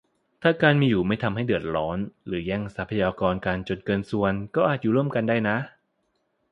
ถ้าการมีอยู่ไม่ทำให้เดือดร้อนหรือแย่งทรัพยากรกันจนเกินส่วน ก็อาจอยู่ร่วมกันได้นะ